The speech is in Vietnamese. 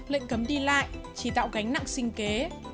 lệnh cấm đi lại chỉ tạo gánh nặng sinh kế